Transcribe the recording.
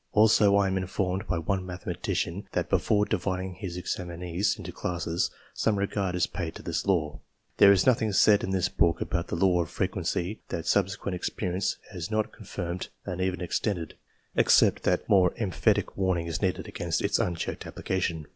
Also I am informed by one mathematician that before dividing his examinees into classes, some regard is paid to this law. There is nothing said in this book about the law of frequency that subsequent experience has not confirmed and even extended, except that more emphatic warning is needed against its unchecked application.